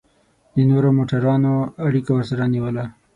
د نورو موټرانو اړیکه ورسره ونیوله.